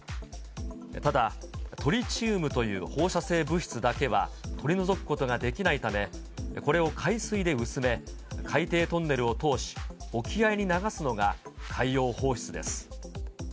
ただ、トリチウムという放射性物質だけは取り除くことができないため、これを海水で薄め、海底トンネルを通し、沖合に流すのが海洋放出です。